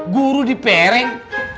guru di pereng